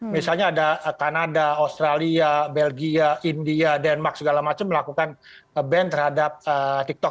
misalnya ada kanada australia belgia india denmark segala macam melakukan ban terhadap tiktok